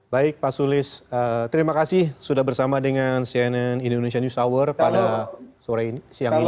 baik pak sulis terima kasih sudah bersama dengan cnn indonesia news hour pada siang ini